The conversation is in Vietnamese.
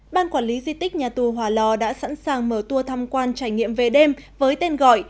ban quản lý di tích nhà tù hòa lò đã sẵn sàng mở tour thăm quan trải nghiệm về đêm với tên gọi